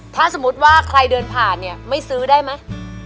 ถ้าสมมุติว่าใครเดินผ่านเนี่ยมันให้ซื้อได้มั้ย